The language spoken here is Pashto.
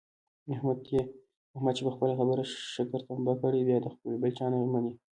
احمد چې په خپله خبره ښکر تمبه کړي بیا د بل چا نه مني.